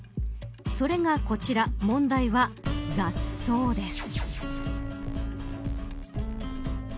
それがこちら、問題は雑草です。